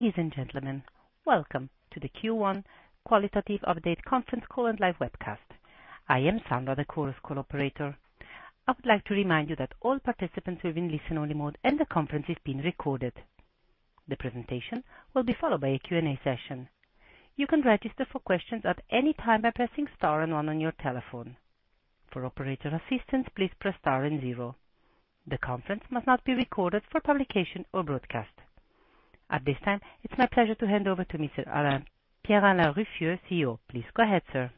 Ladies and gentlemen, welcome to the Q1 Qualitative Update Conference Call and Live Webcast. I am Sandra, the Chorus Call operator. I would like to remind you that all participants will be in listen-only mode, and the conference is being recorded. The presentation will be followed by a Q&A session. You can register for questions at any time by pressing star and one on your telephone. For operator assistance, please press star and zero. The conference must not be recorded for publication or broadcast. At this time, it's my pleasure to hand over to Mr. Pierre-Alain Ruffieux, CEO. Please go ahead, sir.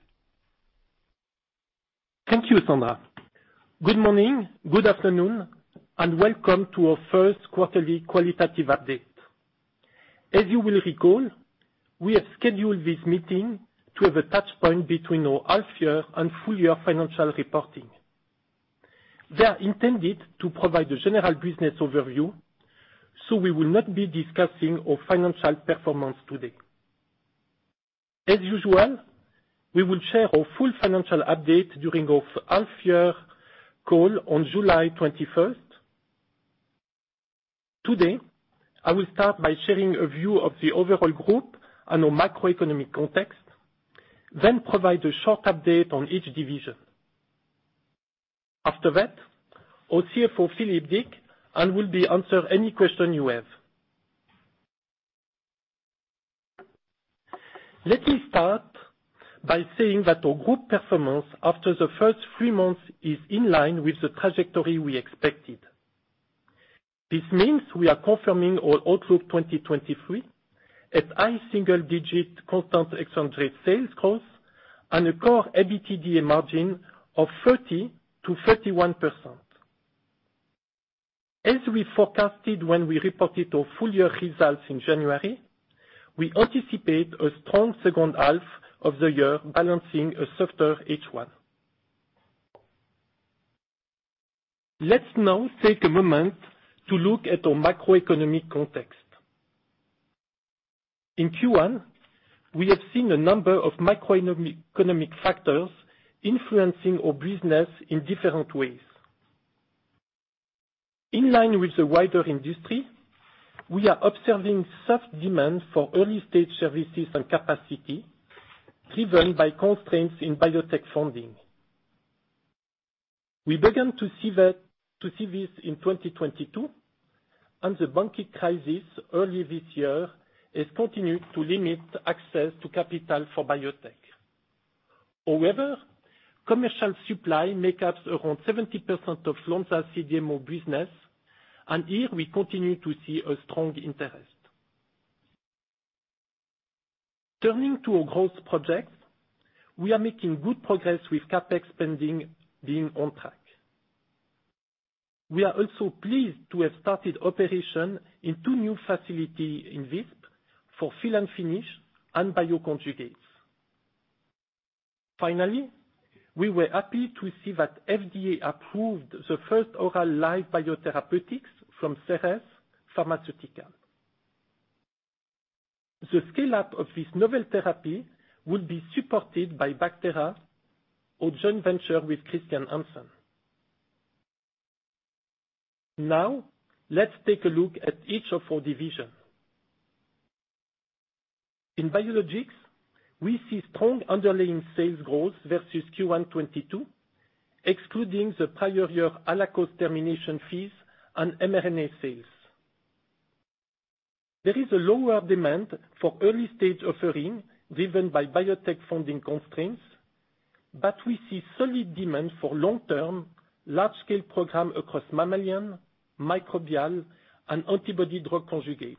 Thank you, Sandra. Good morning, good afternoon, and welcome to our first quarterly qualitative update. As you will recall, we have scheduled this meeting to have a touchpoint between our half year and full year financial reporting. They are intended to provide a general business overview, so we will not be discussing our financial performance today. As usual, we will share our full financial update during our half year call on July 21st. Today, I will start by sharing a view of the overall group and our macroeconomic context, then provide a short update on each division. After that, our CFO, Philippe Deecke, and will be answer any question you have. Let me start by saying that our group performance after the first three months is in line with the trajectory we expected. This means we are confirming our outlook 2023 at high single-digit constant exchange rate sales growth and a CORE EBITDA margin of 30%-31%. As we forecasted when we reported our full year results in January, we anticipate a strong second half of the year balancing a softer H1. Let's now take a moment to look at our macroeconomic context. In Q1, we have seen a number of macroeconomic factors influencing our business in different ways. In line with the wider industry, we are observing soft demand for early-stage services and capacity, driven by constraints in biotech funding. We began to see this in 2022, and the banking crisis early this year has continued to limit access to capital for biotech. However, commercial supply makes up around 70% of Lonza's CDMO business, and here we continue to see a strong interest. Turning to our growth projects, we are making good progress with CapEx spending being on track. We are also pleased to have started operation in two new facility in Visp for fill and finish and bioconjugates. We were happy to see that FDA approved the first oral live biotherapeutics from Seres Therapeutics. The scale-up of this novel therapy will be supported by Bacthera or joint venture with Chr. Hansen. Let's take a look at each of our division. In Biologics, we see strong underlying sales growth versus Q1 2022, excluding the prior year Allakos termination fees and mRNA sales. There is a lower demand for early-stage offering driven by biotech funding constraints, but we see solid demand for long-term, large-scale program across mammalian, microbial, and antibody-drug conjugates.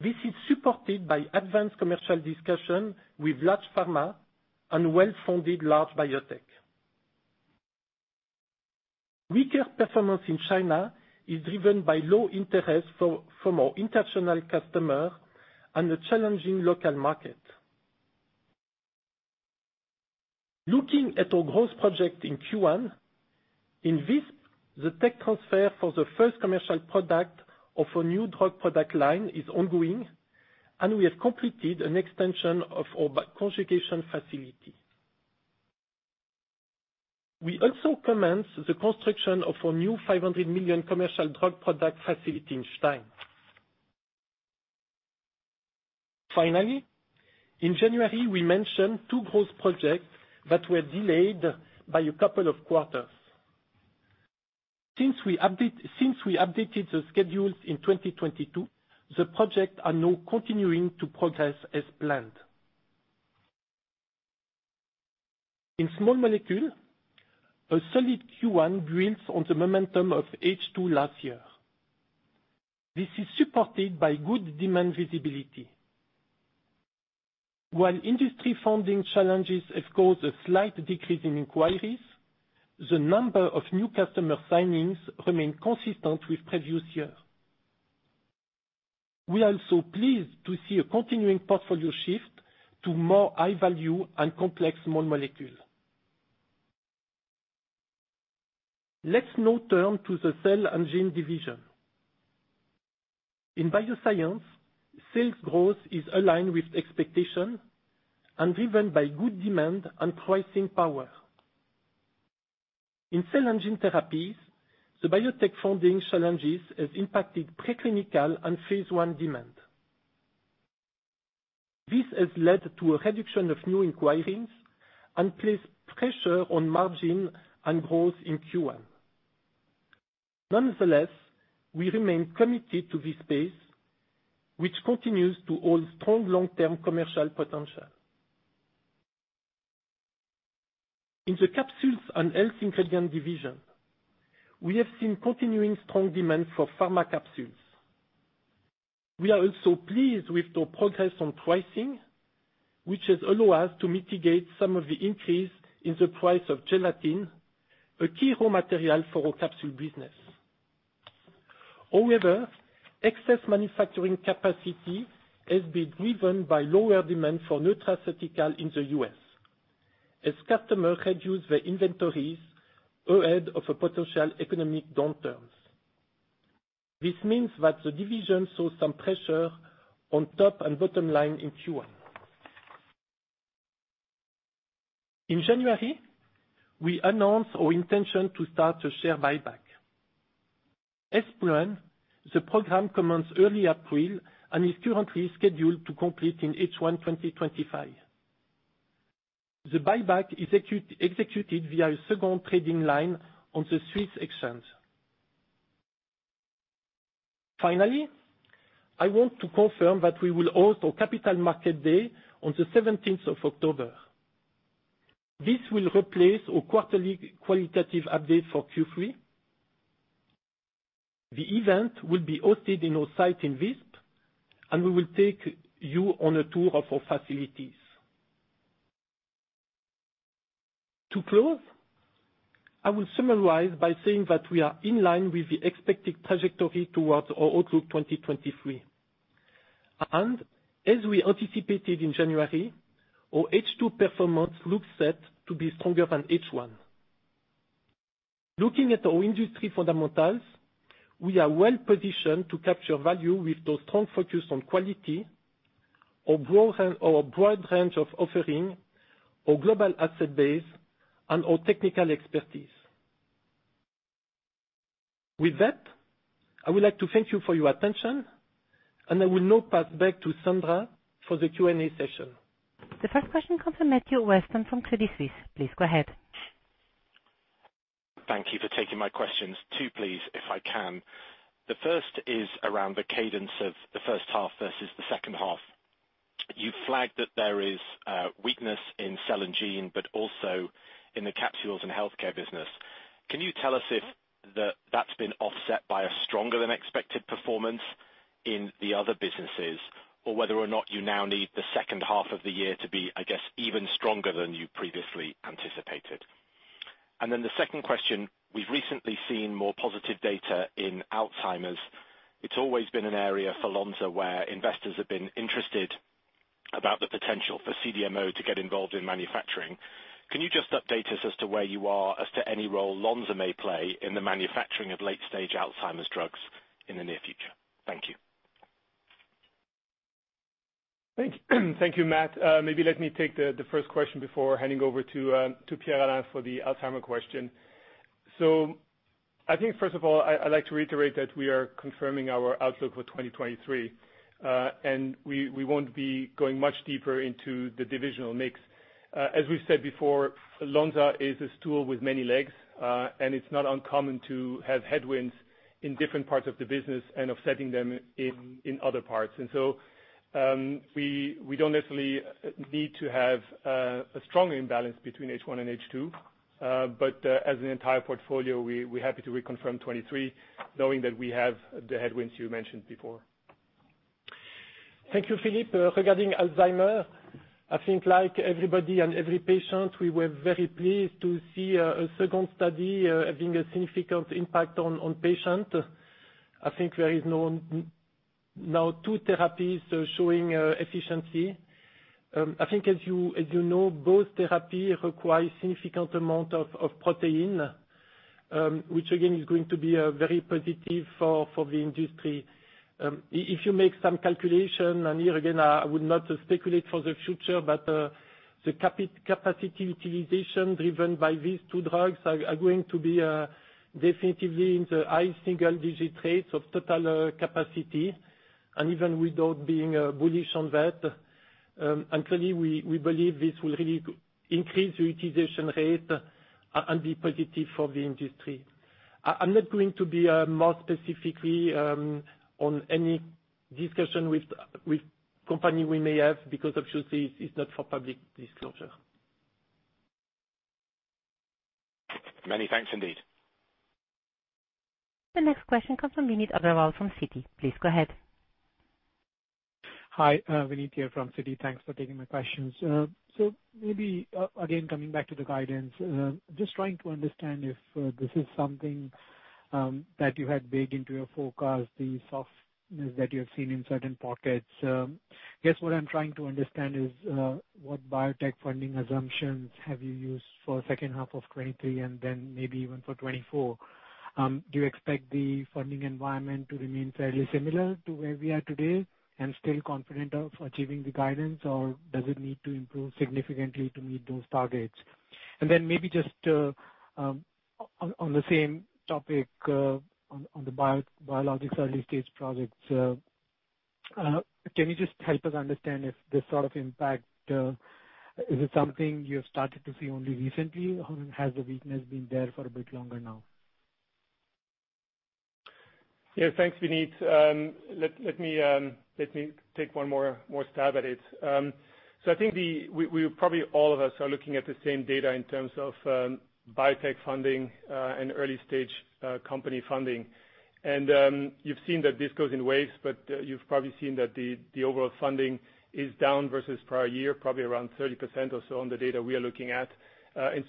This is supported by advanced commercial discussion with large pharma and well-funded large biotech. Weaker performance in China is driven by low interest from our international customer and a challenging local market. Looking at our growth project in Q1, in Visp, the tech transfer for the first commercial product of a new drug product line is ongoing, and we have completed an extension of our conjugation facility. We also commenced the construction of a new 500 million commercial drug product facility in Stein. Finally, in January, we mentioned two growth projects that were delayed by a couple of quarters. Since we updated the schedules in 2022, the projects are now continuing to progress as planned. In Small Molecules, a solid Q1 builds on the momentum of H2 last year. This is supported by good demand visibility. While industry funding challenges have caused a slight decrease in inquiries, the number of new customer signings remain consistent with previous year. We are also pleased to see a continuing portfolio shift to more high value and complex small molecule. Let's now turn to the Cell & Gene Division. In Bioscience, sales growth is aligned with expectation and driven by good demand and pricing power. In cell and gene therapies, the biotech funding challenges has impacted preclinical and phase I demand. This has led to a reduction of new inquiries and placed pressure on margin and growth in Q1. Nonetheless, we remain committed to this space, which continues to hold strong long-term commercial potential. In the Capsules & Health Ingredients division, we have seen continuing strong demand for pharma capsules. We are also pleased with the progress on pricing, which has allowed us to mitigate some of the increase in the price of gelatin, a key raw material for our capsule business. Excess manufacturing capacity has been driven by lower demand for nutraceutical in the US as customers reduce their inventories ahead of a potential economic downturn. This means that the division saw some pressure on top and bottom line in Q1. In January, we announced our intention to start a share buyback. As planned, the program commenced early April and is currently scheduled to complete in H1 2025. The buyback is executed via a second trading line on the Swiss Exchange. I want to confirm that we will host our Capital Markets Day on the 17th of October. This will replace our quarterly qualitative update for Q3. The event will be hosted in our site in Visp, and we will take you on a tour of our facilities. To close, I will summarize by saying that we are in line with the expected trajectory towards our outlook 2023. As we anticipated in January, our H2 performance looks set to be stronger than H1. Looking at our industry fundamentals, we are well-positioned to capture value with our strong focus on quality, our broad range of offering, our global asset base, and our technical expertise. I would like to thank you for your attention, and I will now pass back to Sandra for the Q&A session. The first question comes from Matthew Weston from Credit Suisse. Please go ahead. Thank you for taking my questions. Two, please, if I can. The first is around the cadence of the first half versus the second half. You flagged that there is weakness in Cell & Gene, but also in the capsules and healthcare business. Can you tell us if that's been offset by a stronger than expected performance in the other businesses or whether or not you now need the second half of the year to be, I guess, even stronger than you previously anticipated? The second question, we've recently seen more positive data in Alzheimer's. It's always been an area for Lonza where investors have been interested about the potential for CDMO to get involved in manufacturing. Can you just update us as to where you are as to any role Lonza may play in the manufacturing of late-stage Alzheimer's drugs in the near future? Thank you. Thank you, Matt. Maybe let me take the first question before handing over to Pierre-Alain for the Alzheimer question. I think, first of all, I'd like to reiterate that we are confirming our outlook for 2023, and we won't be going much deeper into the divisional mix. As we said before, Lonza is a stool with many legs, and it's not uncommon to have headwinds in different parts of the business and offsetting them in other parts. We don't necessarily need to have a strong imbalance between H1 and H2. As an entire portfolio, we're happy to reconfirm 23 knowing that we have the headwinds you mentioned before. Thank you, Philippe. Regarding Alzheimer, I think like everybody and every patient, we were very pleased to see a second study having a significant impact on patient. I think there is known now two therapies showing efficiency. I think as you know, both therapy requires significant amount of protein, which again is going to be very positive for the industry. If you make some calculation, and here again, I would not speculate for the future, but the capacity utilization driven by these two drugs are going to be definitively in the high single-digit rates of total capacity and even without being bullish on that. Actually, we believe this will really increase the utilization rate and be positive for the industry. I'm not going to be more specifically on any discussion with company we may have because obviously it's not for public disclosure. Many thanks indeed. The next question comes from Vineet Agrawal from Citi. Please go ahead. Hi, Vineet here from Citi. Thanks for taking my questions. Maybe, again, coming back to the guidance, just trying to understand if this is something that you had baked into your forecast, the softness that you have seen in certain pockets. Guess what I'm trying to understand is what biotech funding assumptions have you used for second half of 2023 and then maybe even for 2024? Do you expect the funding environment to remain fairly similar to where we are today and still confident of achieving the guidance, or does it need to improve significantly to meet those targets? Then maybe just on the same topic, on the bio-biologics early stage projects. Can you just help us understand if this sort of impact, is it something you have started to see only recently or has the weakness been there for a bit longer now? Yeah. Thanks, Vineet. Let me take one more stab at it. I think the. We probably all of us are looking at the same data in terms of biotech funding and early stage company funding. You've seen that this goes in waves, but you've probably seen that the overall funding is down versus prior year, probably around 30% or so on the data we are looking at.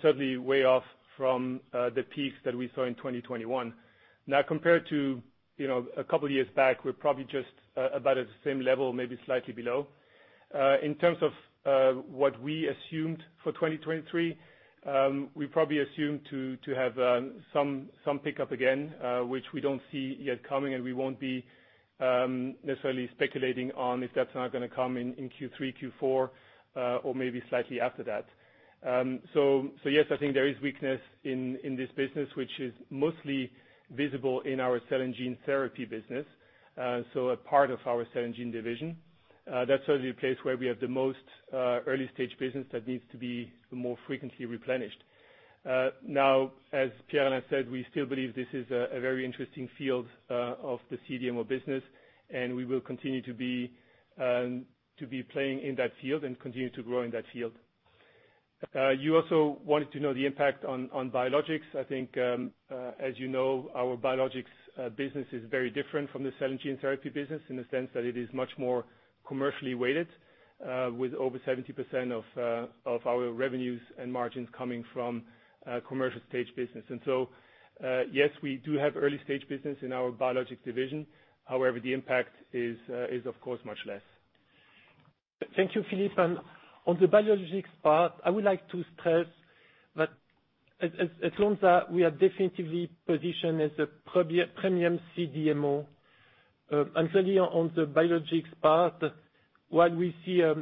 Certainly way off from the piece that we saw in 2021. Now, compared to, you know, a couple years back, we're probably just about at the same level, maybe slightly below. In terms of what we assumed for 2023, we probably assumed to have some pickup again, which we don't see yet coming. We won't be necessarily speculating on if that's not gonna come in Q3, Q4, or maybe slightly after that. Yes, I think there is weakness in this business which is mostly visible in our Cell & Gene therapy business. So a part of our Cell & Gene division. That's certainly a place where we have the most early stage business that needs to be more frequently replenished. As Pierre-Alain said, we still believe this is a very interesting field of the CDMO business, and we will continue to be playing in that field and continue to grow in that field. You also wanted to know the impact on Biologics. I think, as you know, our Biologics business is very different from the Cell & Gene business in the sense that it is much more commercially weighted, with over 70% of our revenues and margins coming from commercial stage business. Yes, we do have early stage business in our Biologics division. However, the impact is of course much less. Thank you, Philippe. On the Biologics part, I would like to stress that at Lonza we are definitively positioned as a premium CDMO. Certainly on the Biologics part, while we see a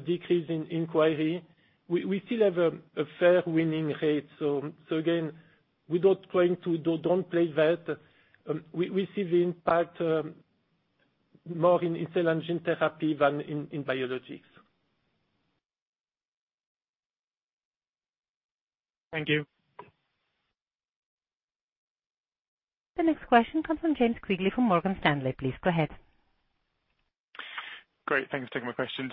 decrease in inquiry, we still have a fair winning rate. Again, Don't play that, we see the impact more in Cell & Gene than in Biologics. Thank you. The next question comes from James Quigley from Morgan Stanley. Please go ahead. Great. Thanks for taking my question.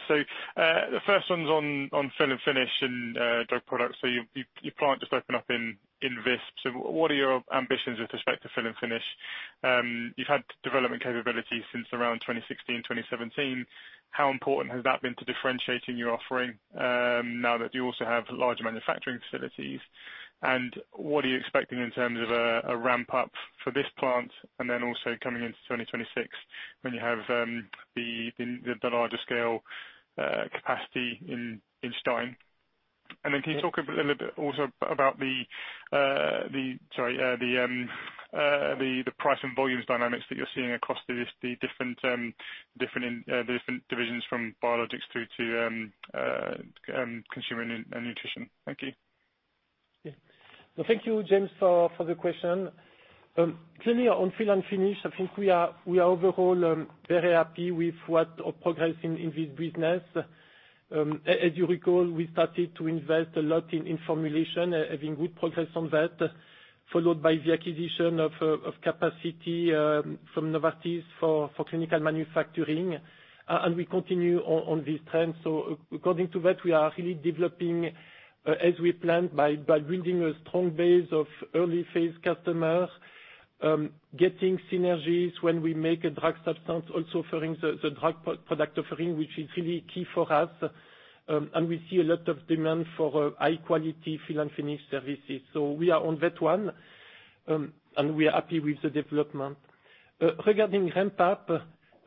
The first one's on fill and finish and drug products. Your plant just opened up in Visp. What are your ambitions with respect to fill and finish? You've had development capabilities since around 2016, 2017. How important has that been to differentiating your offering, now that you also have larger manufacturing facilities? What are you expecting in terms of a ramp up for this plant also coming into 2026 when you have the larger scale capacity in Stein? Can you talk a little bit also about the, sorry. The price and volumes dynamics that you're seeing across the different divisions from Biologics through to consumer nutrition. Thank you. Yeah. Thank you, James, for the question. Clearly on fill and finish, I think we are overall very happy with what our progress in this business. As you recall, we started to invest a lot in formulation, having good progress on that, followed by the acquisition of capacity from Novartis for clinical manufacturing. We continue on this trend. According to that, we are really developing as we planned by building a strong base of early phase customers, getting synergies when we make a drug substance also offering the drug product offering which is really key for us. We see a lot of demand for high quality fill and finish services. We are on that one. We are happy with the development. Regarding ramp up,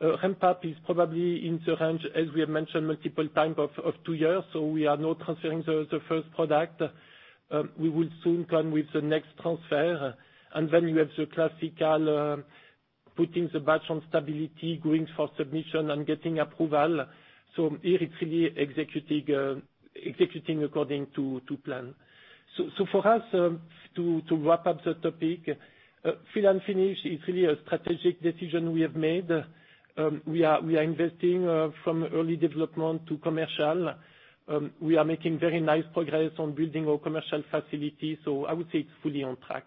ramp up is probably in the range, as we have mentioned multiple times, of two years, we are now transferring the first product. We will soon come with the next transfer, we have the classical putting the batch on stability, going for submission and getting approval. Here it's really executing according to plan. For us, to wrap up the topic, fill and finish is really a strategic decision we have made. We are investing from early development to commercial. We are making very nice progress on building our commercial facility, I would say it's fully on track.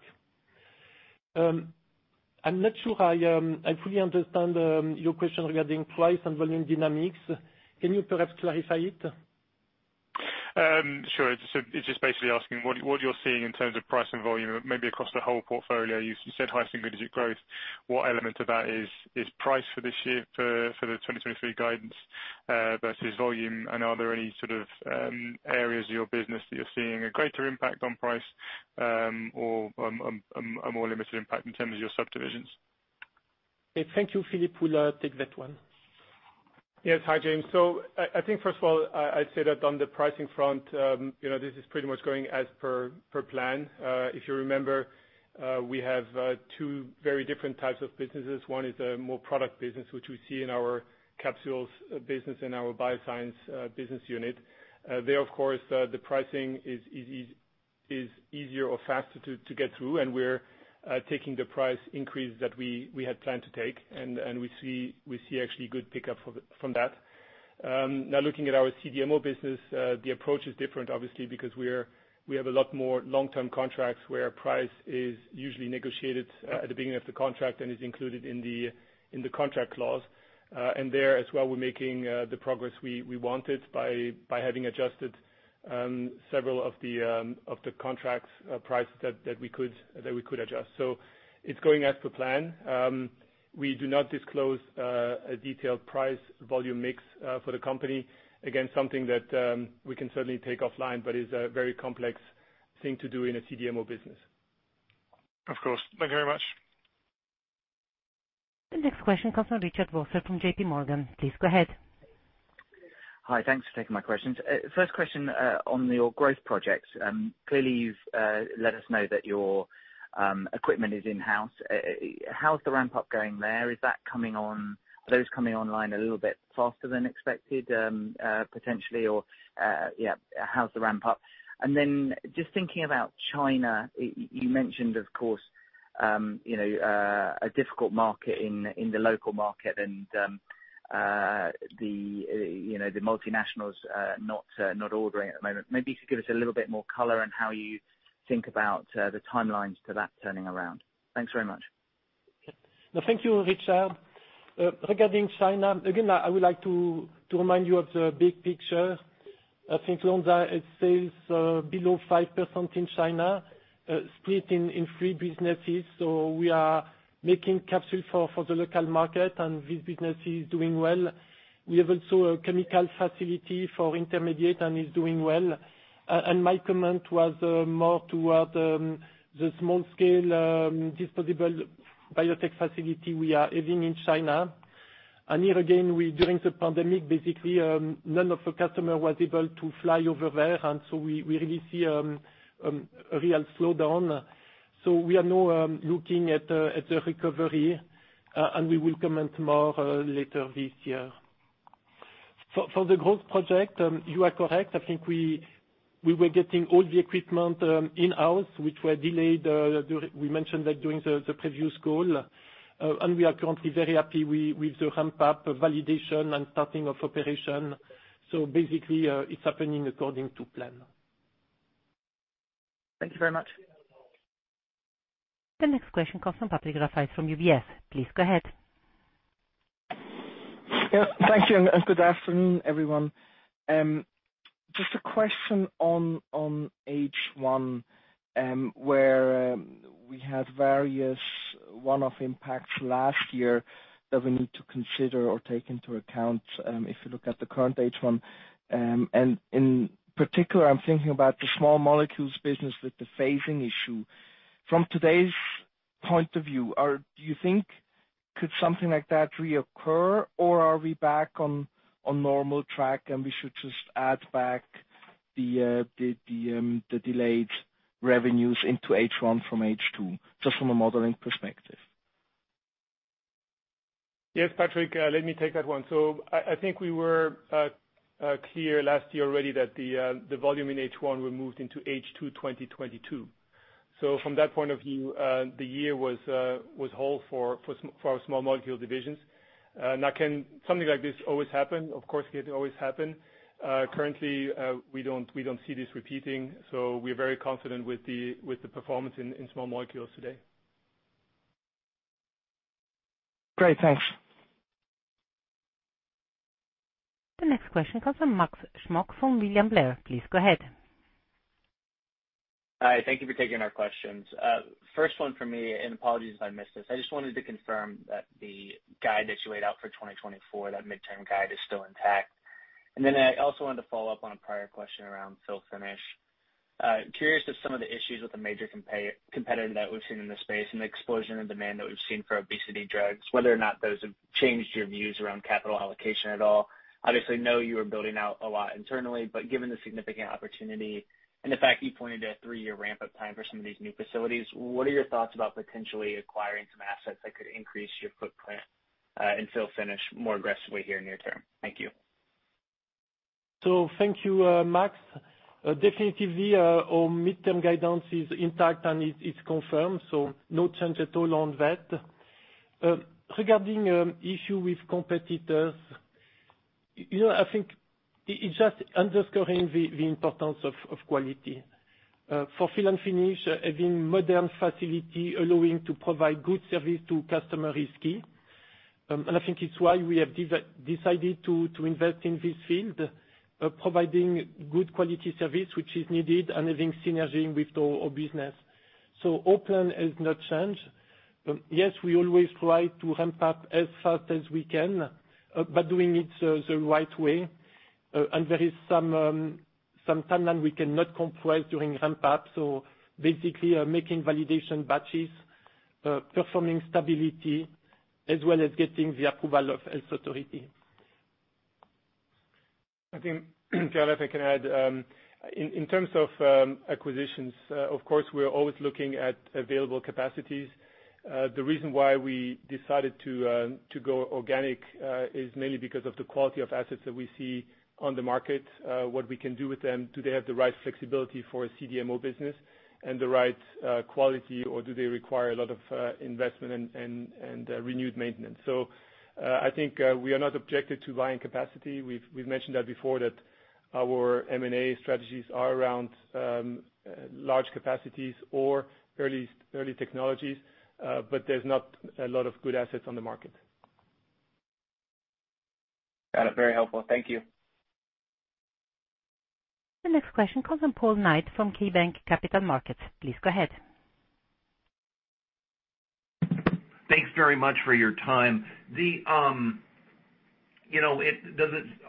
I'm not sure I fully understand your question regarding price and volume dynamics. Can you perhaps clarify it? Sure. It's just basically asking what you're seeing in terms of price and volume, maybe across the whole portfolio. You said high single digit growth. What element of that is price for this year for the 2023 guidance versus volume? Are there any sort of areas of your business that you're seeing a greater impact on price or a more limited impact in terms of your subdivisions? Thank you, Philippe will take that one. Yes, hi, James. I think first of all, I say that on the pricing front, you know, this is pretty much going as per plan. If you remember, we have two very different types of businesses. One is a more product business, which we see in our Capsules business, in our Bioscience business unit. There, of course, the pricing is easy, is easier or faster to get through and we're taking the price increase that we had planned to take, and we see actually good pickup from that. Now looking at our CDMO business, the approach is different obviously because we have a lot more long-term contracts where price is usually negotiated at the beginning of the contract and is included in the contract clause. There as well we're making the progress we wanted by having adjusted several of the contracts price that we could adjust. It's going as per plan. We do not disclose a detailed price volume mix for the company. Again, something that we can certainly take offline, but is a very complex thing to do in a CDMO business. Of course. Thank you very much. The next question comes from Richard Vosser from JP Morgan. Please go ahead. Hi. Thanks for taking my questions. First question on your growth projects. Clearly you've let us know that your equipment is in-house. How's the ramp up going there? Are those coming online a little bit faster than expected, potentially or? Yeah, how's the ramp up? Then just thinking about China, you mentioned of course, a difficult market in the local market and the multinationals not ordering at the moment. Maybe just give us a little bit more color on how you think about the timelines to that turning around. Thanks very much. No, thank you, Richard. Regarding China, again, I would like to remind you of the big picture. I think Lonza is sales below 5% in China, split in three businesses. We are making capsules for the local market, and this business is doing well. We have also a chemical facility for intermediate, and is doing well. My comment was more toward the small scale disposable biotech facility we are having in China. Here again, during the pandemic, basically, none of the customer was able to fly over there. We really see a real slowdown. We are now looking at the recovery, and we will comment more later this year. For the growth project, you are correct. I think we were getting all the equipment in-house, which were delayed. We mentioned that during the previous call. We are currently very happy with the ramp up validation and starting of operation. Basically, it's happening according to plan. Thank you very much. The next question comes from Patrick Rafaisz from UBS. Please go ahead. Thank you, and good afternoon, everyone. Just a question on H1, where we had various one-off impacts last year that we need to consider or take into account, if you look at the current H1. In particular, I'm thinking about the Small Molecules business with the phasing issue. From today's point of view, do you think could something like that reoccur or are we back on normal track and we should just add back the delayed revenues into H1 from H2, just from a modeling perspective? Yes, Patrick, let me take that one. I think we were clear last year already that the volume in H1 were moved into H2 2022. From that point of view, the year was whole for our Small Molecules divisions. Now can something like this always happen? Of course, it always happen. Currently, we don't see this repeating, so we're very confident with the performance in Small Molecules today. Great. Thanks. The next question comes from Max Smock from William Blair. Please go ahead. Hi. Thank you for taking our questions. First one for me, and apologies if I missed this. I just wanted to confirm that the guide that you laid out for 2024, that midterm guide is still intact. I also wanted to follow up on a prior question around fill and finish. Curious if some of the issues with the major competitor that we've seen in the space and the explosion in demand that we've seen for obesity drugs, whether or not those have changed your views around capital allocation at all. Obviously know you are building out a lot internally, given the significant opportunity and the fact you pointed to a three-year ramp up time for some of these new facilities, what are your thoughts about potentially acquiring some assets that could increase your footprint in fill and finish more aggressively here near term? Thank you. Thank you, Max. Definitely, our midterm guidance is intact and is confirmed, no change at all on that. Regarding issue with competitors, you know, I think it's just underscoring the importance of quality. For fill and finish, having modern facility allowing to provide good service to customer is key. I think it's why we have decided to invest in this field, providing good quality service which is needed and having synergy with our business. Our plan has not changed. Yes, we always try to ramp up as fast as we can, but doing it the right way. There is some time that we cannot compress during ramp up. Basically, making validation batches, performing stability, as well as getting the approval of health authority. I think, Pierre, if I can add, in terms of acquisitions, of course, we are always looking at available capacities. The reason why we decided to go organic is mainly because of the quality of assets that we see on the market, what we can do with them. Do they have the right flexibility for a CDMO business and the right quality, or do they require a lot of investment and renewed maintenance? I think we are not objected to buying capacity. We've mentioned that before that our M&A strategies are around large capacities or early technologies, but there's not a lot of good assets on the market. Got it. Very helpful. Thank you. The next question comes from Paul Knight from KeyBanc Capital Markets. Please go ahead. Thanks very much for your time. you know,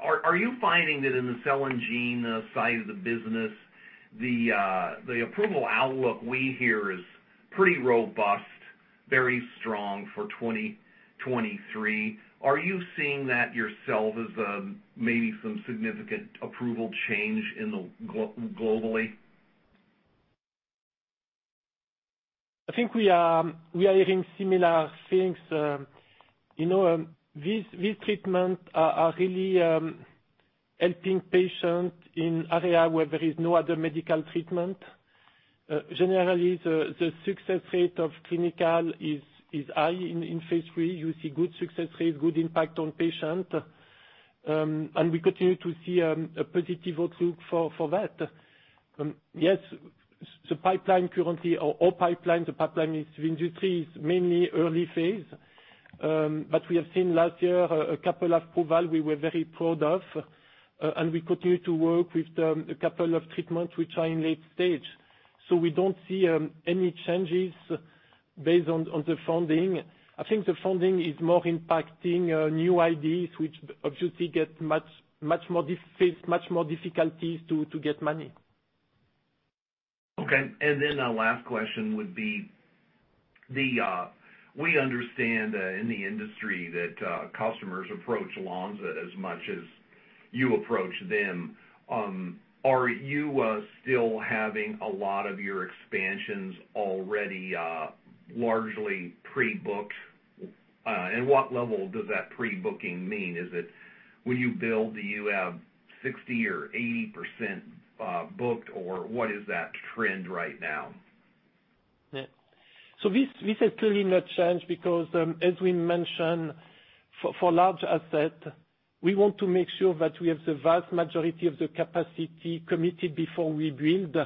are you finding that in the Cell & Gene side of the business, the approval outlook we hear is pretty robust, very strong for 2023? Are you seeing that yourself as maybe some significant approval change globally? I think we are hearing similar things. You know, these treatment are really helping patient in area where there is no other medical treatment. Generally, the success rate of clinical is high in phase III. You see good success rate, good impact on patient. We continue to see a positive outlook for that. Yes, the pipeline industry is mainly early phase. We have seen last year a couple approval we were very proud of, and we continue to work with a couple of treatments which are in late stage. We don't see any changes based on the funding. I think the funding is more impacting, new ideas which obviously get much more face much more difficulties to get money. Okay. A last question would be the, we understand, in the industry that, customers approach Lonza as much as you approach them. Are you still having a lot of your expansions already largely pre-booked? What level does that pre-booking mean? Is it when you build, do you have 60% or 80% booked, or what is that trend right now? Yeah. This has clearly not changed because, as we mentioned, for large asset, we want to make sure that we have the vast majority of the capacity committed before we build.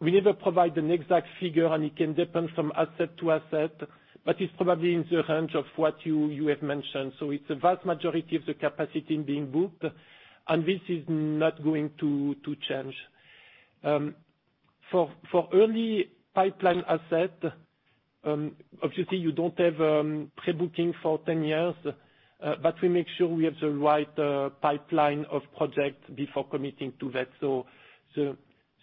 We never provide an exact figure, and it can depend from asset to asset, but it's probably in the range of what you have mentioned. It's the vast majority of the capacity being booked, and this is not going to change. For early pipeline asset, obviously, you don't have pre-booking for 10 years, but we make sure we have the right pipeline of projects before committing to that.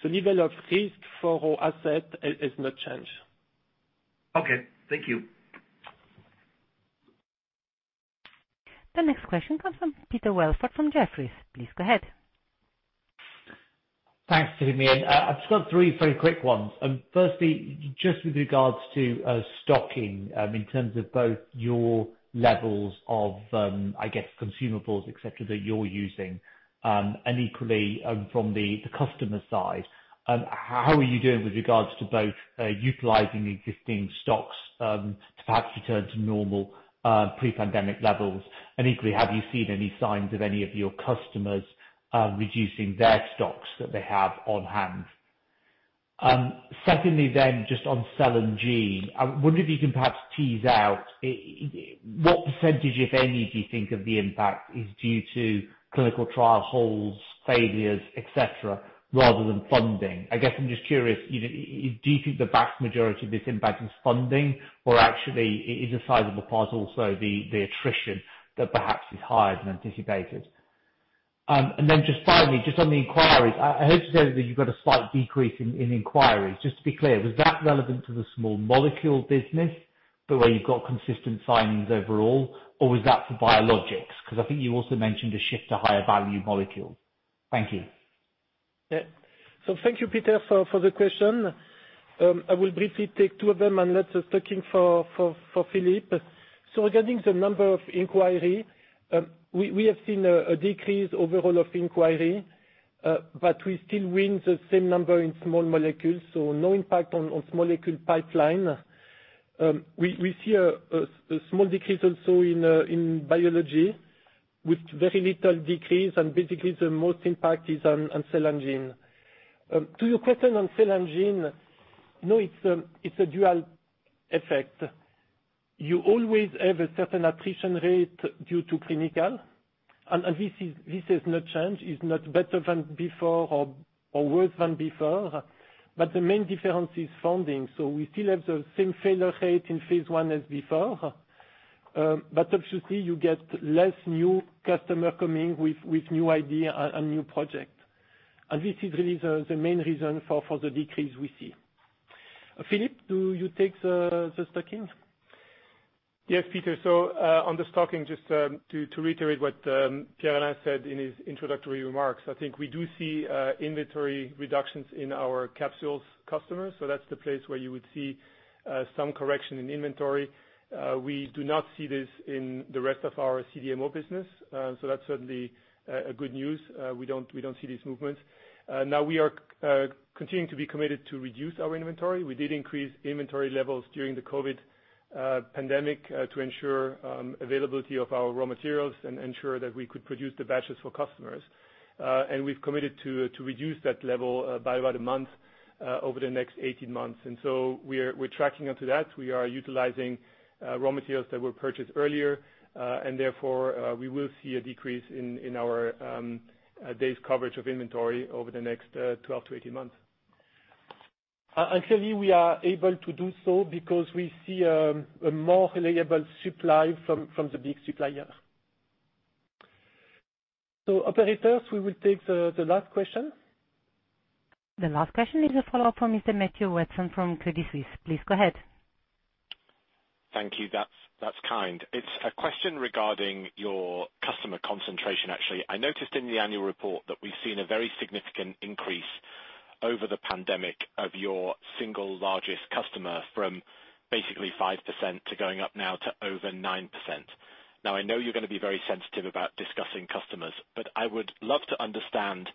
Level of risk for our asset has not changed. Okay. Thank you. The next question comes from Peter Welford from Jefferies. Please go ahead. Thanks for hearing me. I've just got three very quick ones. Firstly, just with regards to stocking, in terms of both your levels of, I guess, consumables, et cetera, that you're using, and equally, from the customer side, how are you doing with regards to both utilizing existing stocks to perhaps return to normal pre-pandemic levels? Equally, have you seen any signs of any of your customers reducing their stocks that they have on hand? Secondly, just on Cell & Gene, I wonder if you can perhaps tease out what percentage, if any, do you think of the impact is due to clinical trial holds, failures, et cetera, rather than funding. I guess I'm just curious, you know, do you think the vast majority of this impact is funding or actually is a sizable part also the attrition that perhaps is higher than anticipated? Finally, just on the inquiries, I heard you say that you've got a slight decrease in inquiries. Just to be clear, was that relevant to the Small Molecules business, but where you've got consistent signings overall, or was that for Biologics? I think you also mentioned a shift to higher value molecules. Thank you. Yeah. Thank you, Peter, for the question. I will briefly take two of them and let the stocking for Philippe. Regarding the number of inquiry, we have seen a decrease overall of inquiry, but we still win the same number in Small Molecules, so no impact on Small Molecule pipeline. We see a small decrease also in Biologics with very little decrease, and basically the most impact is on Cell & Gene. To your question on Cell & Gene, you know, it's a dual effect. You always have a certain attrition rate due to clinical, and this has not changed. It's not better than before or worse than before. But the main difference is funding. We still have the same failure rate in phase I as before. Obviously you get less new customer coming with new idea and new project. This is really the main reason for the decrease we see. Philippe, do you take the stocking? Yes, Peter. On the stocking, just to reiterate what Pierre-Alain said in his introductory remarks, I think we do see inventory reductions in our Capsules customers. That's the place where you would see some correction in inventory. We do not see this in the rest of our CDMO business. That's certainly a good news. We don't see these movements. Now we are continuing to be committed to reduce our inventory. We did increase inventory levels during the COVID pandemic to ensure availability of our raw materials and ensure that we could produce the batches for customers. We've committed to reduce that level by about 1 month over the next 18 months. We're tracking onto that. We are utilizing raw materials that were purchased earlier, and therefore, we will see a decrease in our days coverage of inventory over the next 12-18 months. Clearly we are able to do so because we see a more reliable supply from the big supplier. Operator, we will take the last question. The last question is a follow-up from Mr. Matthew Weston from Credit Suisse. Please go ahead. Thank you. That's kind. It's a question regarding your customer concentration, actually. I noticed in the annual report that we've seen a very significant increase over the pandemic of your single largest customer from basically 5% to going up now to over 9%. I know you're gonna be very sensitive about discussing customers, but I would love to understand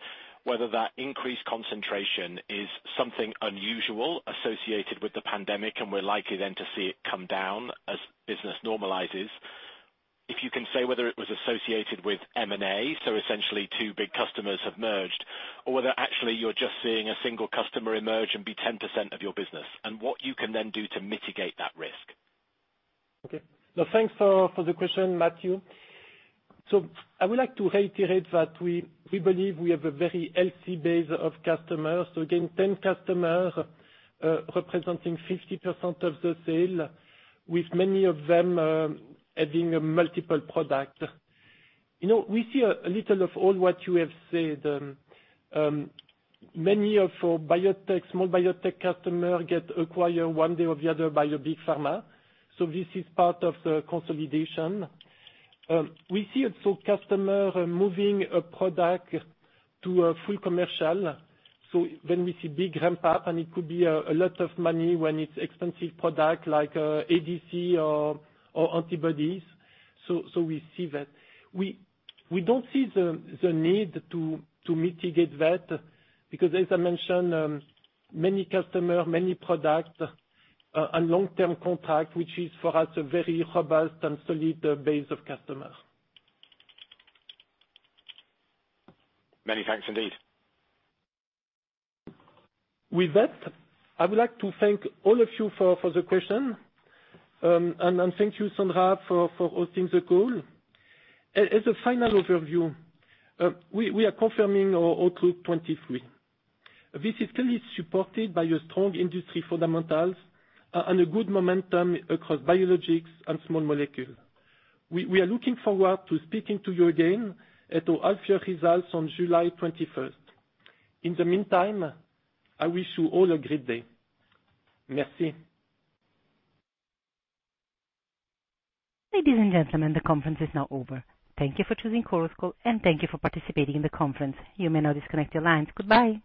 whether that increased concentration is something unusual associated with the pandemic, and we're likely then to see it come down as business normalizes. If you can say whether it was associated with M&A, so essentially two big customers have merged, or whether actually you're just seeing a single customer emerge and be 10% of your business, and what you can then do to mitigate that risk? No, thanks for the question, Matthew. I would like to reiterate that we believe we have a very healthy base of customers. Again, 10 customers, representing 50% of the sale, with many of them, adding a multiple product. You know, we see a little of all what you have said, many of our small biotech customer get acquired one day or the other by a big pharma. This is part of the consolidation. We see it, so customer moving a product to a full commercial, so when we see big ramp up, and it could be a lot of money when it's expensive product like ADC or antibodies, so we see that. We don't see the need to mitigate that, because as I mentioned, many customer, many product, a long-term contract, which is for us a very robust and solid base of customers. Many thanks indeed. With that, I would like to thank all of you for the question, and thank you Sandra for hosting the call. As a final overview, we are confirming our outlook 2023. This is clearly supported by a strong industry fundamentals and a good momentum across Biologics and Small Molecules. We are looking forward to speaking to you again at our H1 results on July 21st. In the meantime, I wish you all a great day. Merci. Ladies and gentlemen, the conference is now over. Thank you for choosing Chorus Call, and thank you for participating in the conference. You may now disconnect your lines. Goodbye.